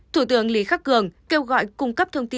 thủ tướng lý khắc cường kêu gọi cung cấp thông tin